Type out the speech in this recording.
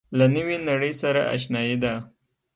له نوې نړۍ سره آشنايي ده.